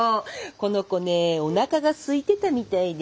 この子ねおなかがすいてたみたいで。